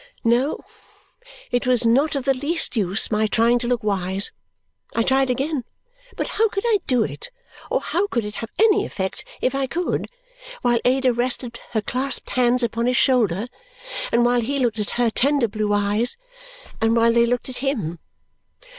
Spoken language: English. No. It was not of the least use my trying to look wise. I tried again, but how could I do it, or how could it have any effect if I could, while Ada rested her clasped hands upon his shoulder and while he looked at her tender blue eyes, and while they looked at him!